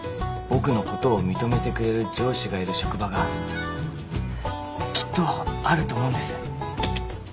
僕のことを認めてくれる上司がいる職場がきっとあると思うんです。